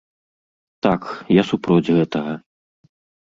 Так, я супроць гэтага.